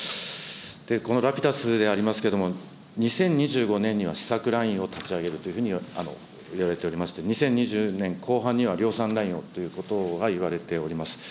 このラピダスでありますけれども、２０２５年には試作ラインを立ち上げるというふうにいわれておりまして、２０２５年後半には量産ラインをということがいわれております。